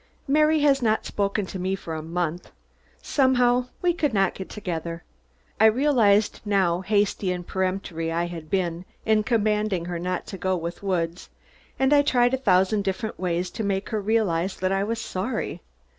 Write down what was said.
Mary had not spoken to me for a month. Somehow we could not get together. I realized how hasty and peremptory I had been in commanding her not to go with Woods, and I tried in a thousand different ways to make her realize that I was sorry.